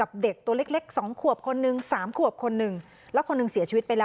อ๋อมันดังลงไมค์ข้างล่างเลยหรือ